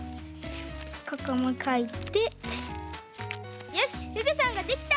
ここもかいてよしフグさんができた！